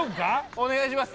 お願いします。